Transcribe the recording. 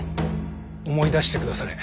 思い出してくだされ。